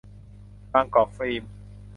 บางกอกฟิล์ม